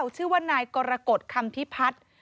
ชื่อว่านายกรกฎคำพิพัฒน์